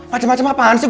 macem macem apaan sih